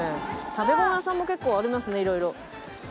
食べ物屋さんも結構ありますねいろいろ。